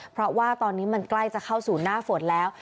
เพราะว่าตอนนี้มันใกล้จะเข้าสู่หน้าฝนแล้ว